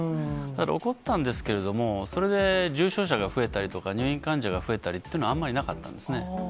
起こったんですけれども、それで重症者が増えたりとか、入院患者が増えたりっていうのはあんまりなかったんですね。